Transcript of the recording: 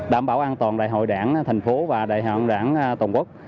đảm bảo an toàn đại hội đảng tp hcm và đại hội đảng tổng quốc